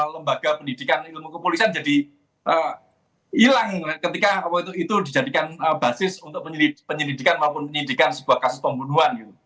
lembaga pendidikan ilmu kepolisian jadi hilang ketika itu dijadikan basis untuk penyelidikan maupun penyidikan sebuah kasus pembunuhan